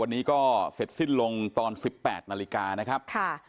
วันนี้ก็เสร็จสิ้นลงตอน๑๘นาฬิกานะครับค่ะ